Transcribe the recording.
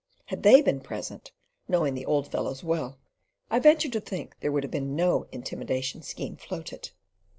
Had they been present, knowing the old fellows well, I venture to think there would have been no intimidation scheme floated.